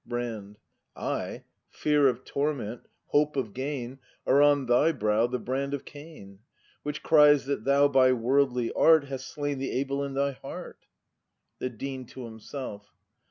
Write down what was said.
Brand. Ay, fear of torment, hope of gain. Are on thy brow the brand of Cain, Which cries that thou by worldly art Hast slain the Abel in thy heart! The Dean. [To himself.